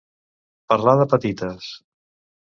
Parlar de petites.